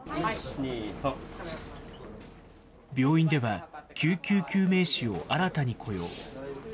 病院では、救急救命士を新たに雇用。